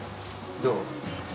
どう？